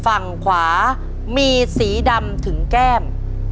ฝั่งขวามีสีดำถึงแก้ม